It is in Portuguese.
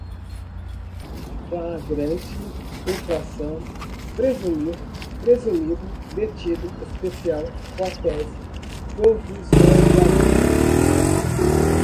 flagrante, infração, presumir, presumido, detido, especial, quartéis, provisoriamente